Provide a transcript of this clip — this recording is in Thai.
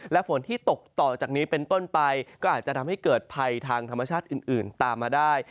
และฝนที่ตกต่อจากนี้เป็นต้นไปก็อาจจะทำให้เกิดภัยทางธรรมชาติอื่นตามมาได้